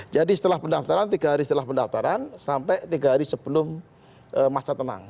jadi setelah pendaftaran tiga hari setelah pendaftaran sampai tiga hari sebelum masa tenang